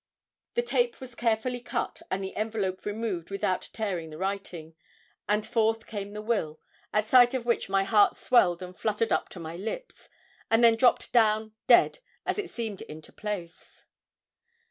The tape was carefully cut, and the envelope removed without tearing the writing, and forth came the will, at sight of which my heart swelled and fluttered up to my lips, and then dropped down dead as it seemed into its place.